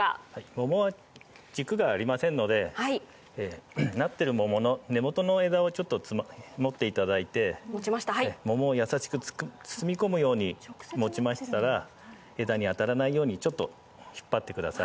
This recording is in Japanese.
桃は軸がありませんので、なっている実の根元をつまんで桃を優しく包み込むように持ちましたら、枝に当たらないようにちょっと引っ張ってください。